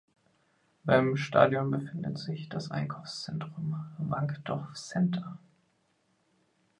Beim Stadion befindet sich das Einkaufszentrum "Wankdorf Center".